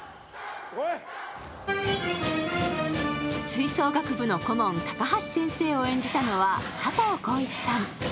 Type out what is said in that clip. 吹奏楽部の顧問・高橋先生を演じたのは佐藤浩市さん。